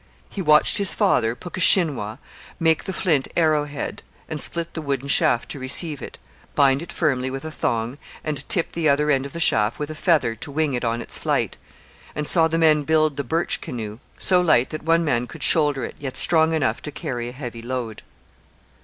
He watched his father, Puckeshinwau, make the flint arrow head and split the wooden shaft to receive it, bind it firmly with a thong, and tip the other end of the shaft with a feather to wing it on its flight; and saw the men build the birch canoe, so light that one man could shoulder it, yet strong enough to carry a heavy load.